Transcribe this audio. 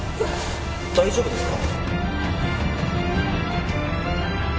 大丈夫ですか？